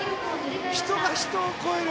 人が人を超える。